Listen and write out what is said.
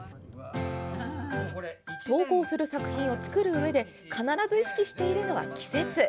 投稿する作品を作るうえで必ず意識しているのは、季節。